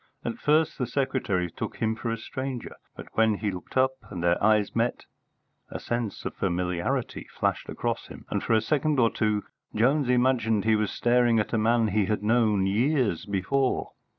At first the secretary took him for a stranger, but when he looked up and their eyes met, a sense of familiarity flashed across him, and for a second or two Jones imagined he was staring at a man he had known years before.